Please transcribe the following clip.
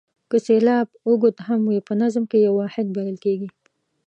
که سېلاب اوږد هم وي په نظم کې یو واحد بلل کیږي.